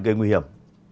gây nguy hiểm